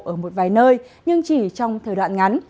ở một vài nơi nhưng chỉ trong thời đoạn ngắn